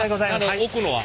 置くのは。